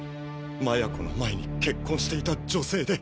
麻也子の前に結婚していた女性で。